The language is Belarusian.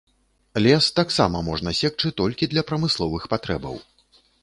Лес таксама можна секчы толькі для прамысловых патрэбаў.